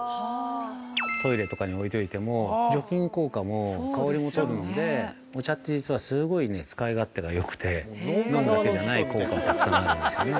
トイレとかに置いといても除菌効果も、香りも取るんでお茶って実は、すごい使い勝手がよくて飲むだけじゃない効果がたくさんあるんですよね。